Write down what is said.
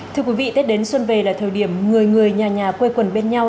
thưa quý vị tết đến xuân về là thời điểm người người nhà nhà quây quần bên nhau